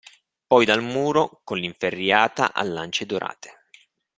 Poi dal muro con l'inferriata a lance dorate.